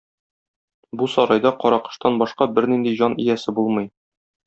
Бу сарайда Каракоштан башка бернинди җан иясе булмый.